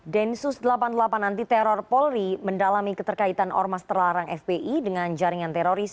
densus delapan puluh delapan anti teror polri mendalami keterkaitan ormas terlarang fpi dengan jaringan teroris